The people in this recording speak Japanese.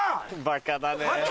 バカだね。